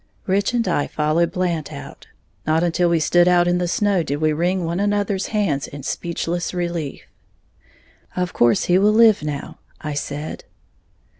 Rich and I followed Blant out. Not until we stood out in the snow did we wring one another's hands in speechless relief. "Of course he will live now," I said.